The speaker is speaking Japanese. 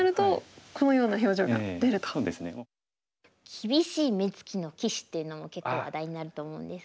きびしい目つきの棋士っていうのも結構話題になると思うんですけど。